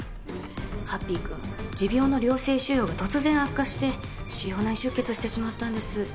ハッピーくん持病の良性腫瘍が突然悪化して腫瘍内出血してしまったんです。